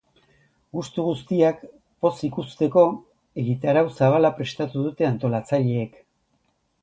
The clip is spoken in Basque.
Gustu guztiak pozik uzteko, egitarau zabala prestatu dute antolatzaileek.